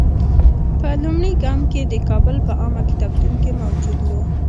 په لومړي ګام کې د کابل په عامه کتابتون کې موجود وو.